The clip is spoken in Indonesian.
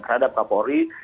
terhadap pak kapolri